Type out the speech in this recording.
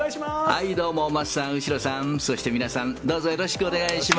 どうも桝さん、後呂さん、そして皆さん、よろしくお願いします。